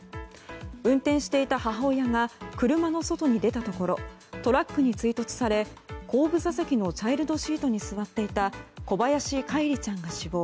運転していた母親が車の外に出たところトラックに追突され後部座席のチャイルドシートに座っていた小林叶一里ちゃんが死亡。